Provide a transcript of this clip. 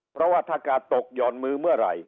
เพราะว่าถ้ากาดตกหย่อนมือเมื่อไหร่